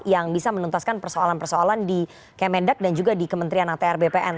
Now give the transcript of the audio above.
yang bisa menuntaskan persoalan persoalan di kemendak dan juga di kementerian atr bpn